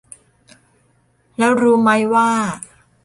แล้วรู้ไหมว่า